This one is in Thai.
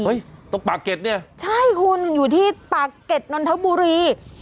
เฮ้ยตรงปากเก็ตยัยใช่คุณอยู่ที่ปาเก็ตตะมมุรี